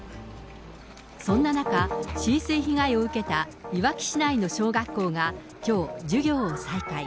そんな中、浸水被害を受けたいわき市内の小学校が、きょう、授業を再開。